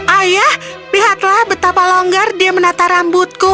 ayah lihatlah betapa longgar dia menata rambutku